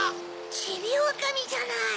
ちびおおかみじゃない。